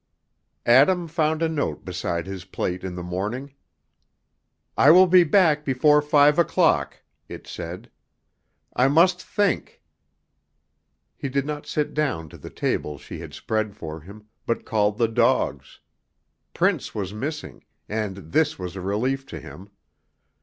Adam found a note beside his plate in the morning. "I will be back before five o'clock," it said; "I must think." He did not sit down to the table she had spread for him, but called the dogs; Prince was missing, and this was a relief to him.